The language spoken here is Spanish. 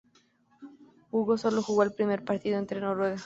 Hugo solo jugó el primer partido ante Noruega.